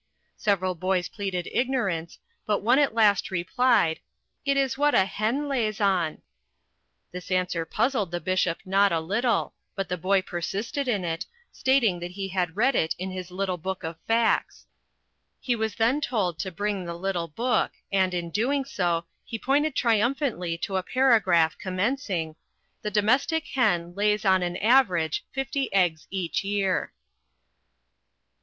Several boys pleaded ignorance, but one at last replied, "It is what a hen lays on." This answer puzzled the bishop not a little; but the boy persisted in it, stating that he had read it in his little book of facts. He was then told to bring the little book, and, on doing so, he pointed triumphantly to a paragraph commencing, "The domestic hen lays on an average fifty eggs each year."